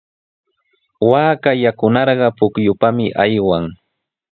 Waaka yakunarqa pukyupami aywan.